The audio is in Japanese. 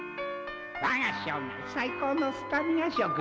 「わが生涯最高のスタミナ食だ」